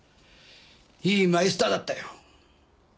いいマイスターだったよ。